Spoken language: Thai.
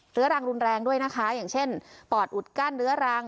รังรุนแรงด้วยนะคะอย่างเช่นปอดอุดกั้นเรื้อรัง